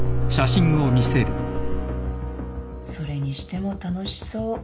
それにしても楽しそう。